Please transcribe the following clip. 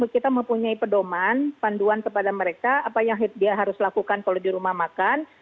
kita mempunyai pedoman panduan kepada mereka apa yang dia harus lakukan kalau di rumah makan